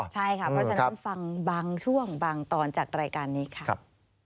ใช่ค่ะเพราะฉะนั้นฟังบางช่วงบางตอนจากรายการนี้ค่ะ